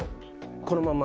このまま？